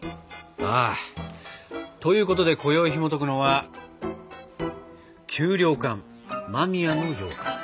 ああということでこよいひもとくのは「給糧艦間宮のようかん」。